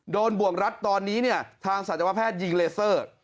บ่วงรัดตอนนี้เนี่ยทางสัตวแพทย์ยิงเลเซอร์